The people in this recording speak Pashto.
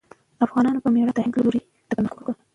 افغانانو په مېړانه د هند لوري ته پرمختګ وکړ.